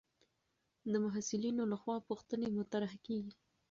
د محصلینو لخوا پوښتنې مطرح کېږي.